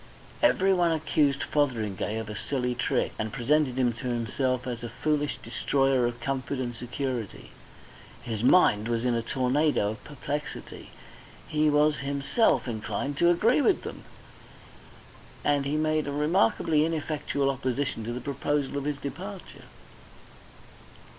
Everyone accused Fotheringay of a silly trick, and presented him to himself as a foolish destroyer of comfort and security. His mind was in a tornado of perplexity, he was himself inclined to agree with them, and he made a remarkably ineffectual opposition to the proposal of his departure.